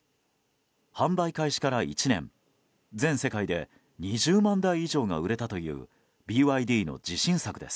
販売開始から１年、全世界で２０万台以上が売れたというＢＹＤの自信作です。